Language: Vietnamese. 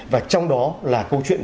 và trong đó là câu chuyện